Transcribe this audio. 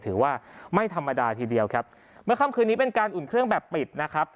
ถือว่าไม่ธรรมดาทีเดียวครับเมื่อค่ำคืนนี้เป็นการอุ่นเครื่องแบบปิดนะครับ